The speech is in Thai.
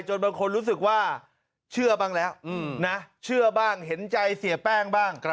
บางคนรู้สึกว่าเชื่อบ้างแล้วนะเชื่อบ้างเห็นใจเสียแป้งบ้าง